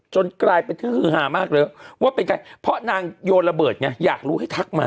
จนกลายเป็นเครื่องคือหามากเลยเพราะนางโยนระเบิดอยากรู้ให้ทักมา